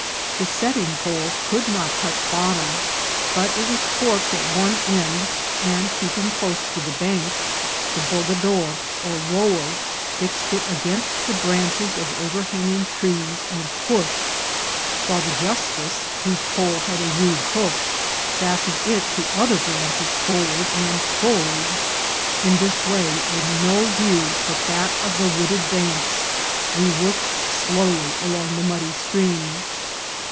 The setting pole could not touch bottom, but it was forked at one end, and, keeping close to the bank, the bogador or rower fixed it against the branches of overhanging trees and pushed, while the justice, whose pole had a rude hook, fastened it to other branches forward and pulled. In this way, with no view but that of the wooded banks, we worked slowly along the muddy stream.